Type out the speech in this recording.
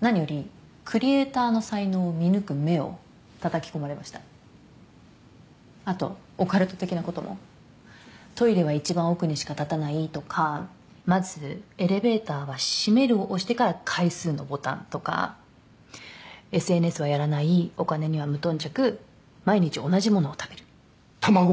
何よりクリエーターの才能を見抜く目をたたき込まれましたあとオカルト的なこともトイレは一番奥にしか立たないとかまずエレベーターは閉めるを押してから階数のボタンとかＳＮＳはやらないお金には無頓着毎日同じものを食べるタマゴ